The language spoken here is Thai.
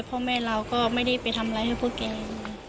พ่อแม่เราก็ไม่ได้ไปทำอะไรให้พวกแก